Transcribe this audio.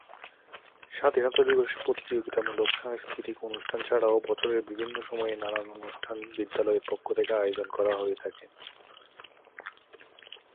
স্বাধীনতা দিবসে প্রতিযোগিতামূলক সাংস্কৃতিক অনুষ্ঠান ছাড়াও বছরের বিভিন্ন সময়ে নানান অনুষ্ঠান বিদ্যালয়ের পক্ষ থেকে আয়োজন করা হয়ে থাকে।